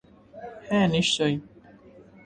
হ্যাঁঁ, নিশ্চয়।